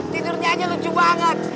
tidurnya aja lucu banget